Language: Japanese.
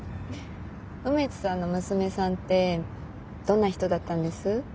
梅津さんの娘さんってどんな人だったんです？